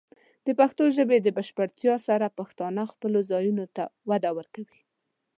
د پښتو ژبې د بشپړتیا سره، پښتانه خپلو ځایونو ته وده ورکوي.